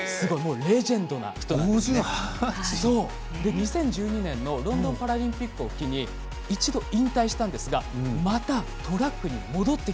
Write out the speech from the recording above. ２０１２年のロンドンパラリンピックを機に一度、引退したんですがまたトラックに戻ってきたんです。